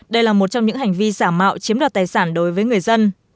đây là một trong những hành vi giả mạo chiếm đoạt tài sản đối với người dân